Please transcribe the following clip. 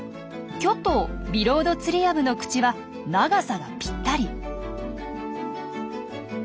距とビロウドツリアブの口は長さがぴったり！